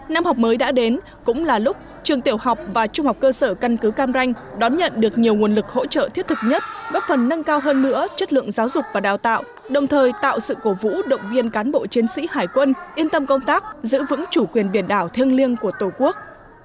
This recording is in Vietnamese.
năm học mới đã đến cũng là lúc trường tiểu học và trung học cơ sở căn cứ cam ranh đón nhận được nhiều nguồn lực hỗ trợ thiết thực nhất góp phần nâng cao hơn nữa chất lượng giáo dục và đào tạo đồng thời tạo sự cổ vũ động viên cán bộ chiến sĩ hải quân yên tâm công tác giữ vững chủ quyền biển đảo thiêng liêng của tổ quốc